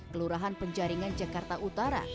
kelurahan penjaringan jakarta utara